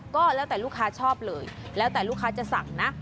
ก็แล้วแต่ลูกค้าชอบเลยแล้วแต่ลูกค้าจะสั่งนะ